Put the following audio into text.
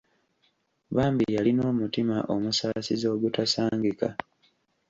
Bambi yalina omutima omusaasizi ogutasangika.